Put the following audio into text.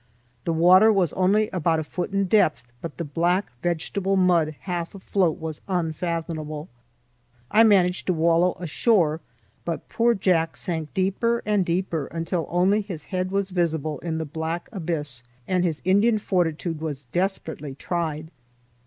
The water was only about a foot in depth, but the black vegetable mud half afloat was unfathomable. I managed to wallow ashore, but poor Jack sank deeper and deeper until only his head was visible in the black abyss, and his Indian fortitude was desperately tried.